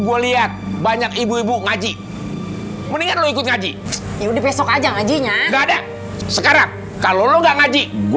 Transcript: eh narti mau kemana kamu